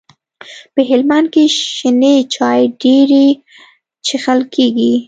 په هلمند کي شنې چاي ډيري چیښل کیږي.